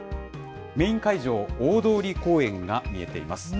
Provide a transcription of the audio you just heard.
メイン会場、大通公園が見えています。